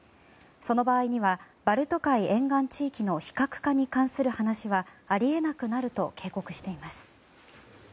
その場合にはバルト海沿岸地域の非核化に関する話はあり得なくなると警告しています。